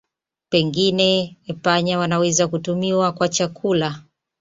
Pengine panya wanaweza kutumiwa kwa chakula.